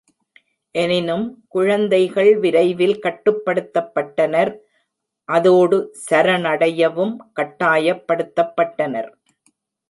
எனினும், குழந்தைகள் விரைவில் கட்டுப்படுத்தப்பட்டனர், அதோடு சரணடையவும் கட்டாயப்படுத்தப்பட்டனர்.